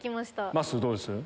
まっすーどうです？